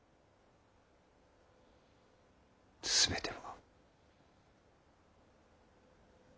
全ては。